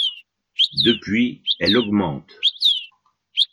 Depuis elle augmente.